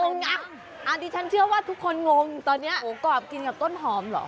งงอ่ะอาทิตย์ฉันเชื่อว่าทุกคนงงตอนเนี้ยหมูกรอบกินกับต้นหอมเหรอ